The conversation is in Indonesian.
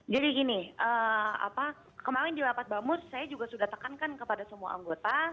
jadi gini kemarin di lapas bamus saya juga sudah tekankan kepada semua anggota